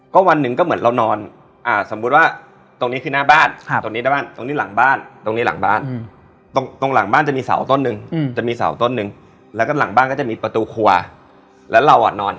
เขาแค่มาให้รู้ว่า